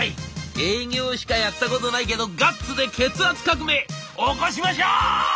営業しかやったことないけどガッツで血圧革命起こしましょう！」。